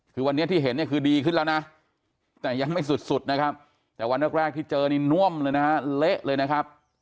คือวันนี้ที่เห็นเนี่ยคือดีขึ้นแล้วนะแต่ยังไม่สุดนะครับแต่วันแรกที่เจอนี่น่วมเลยนะฮะเละเลยนะครับ